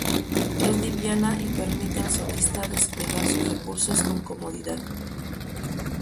Es liviana y permite al solista desplegar sus recursos con comodidad.